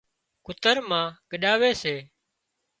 ڪُتر مان ڳڏاوي سي